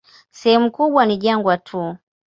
Sehemu kubwa ni jangwa tu.